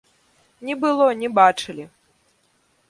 Не было, не бачылі!